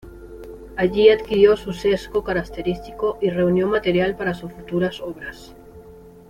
Allí adquirió su sesgo característico y reunió material para sus futuras obras.